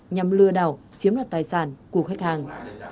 nhằm lừa đảo chiếm đoạt tài sản của khách hàng